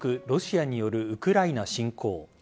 ロシアによるウクライナ侵攻。